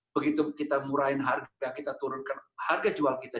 begitu kita murahin harga kita turunkan harga jual kita